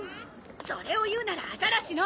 それを言うならアザラシの。